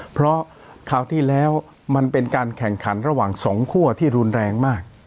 เพราะคราวที่แล้วมันเป็นการแข่งขันระหว่างสองคั่วที่รุนแรงมาก